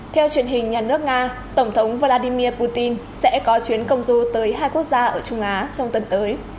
theo truyền hình nhà nước nga tổng thống vladimir putin sẽ có chuyến công du tới hai quốc gia ở trung á trong tuần tới